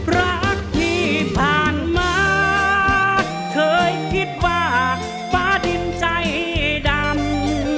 รักที่ผ่านมาเคยคิดว่าฟ้าดินใจดำ